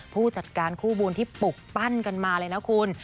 ผู้จัดการคู่บุญที่ปลุกปั้นกันมาเลยนะคุณ